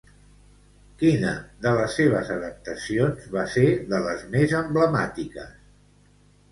Quina de les seves adaptacions va ser de les més emblemàtiques?